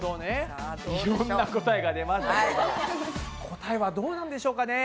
答えはどうなんでしょうかね？